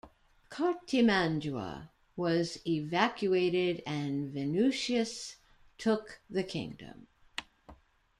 Cartimandua was evacuated and Venutius took the kingdom.